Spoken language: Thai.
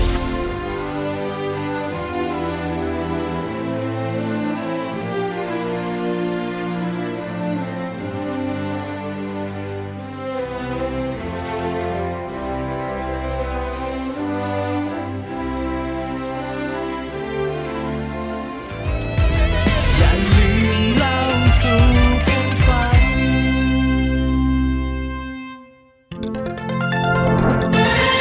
เราเจอกันฟัง